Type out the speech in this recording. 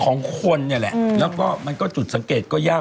ของคนเนี่ยแหละแล้วก็มันก็จุดสังเกตก็ยาก